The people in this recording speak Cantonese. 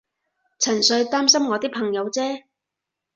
純粹擔心我啲朋友啫